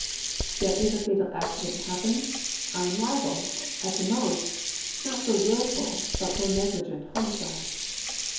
Yet if a fatal accident happens, I am liable, at the most, not for wilful, but for negli gent homicide.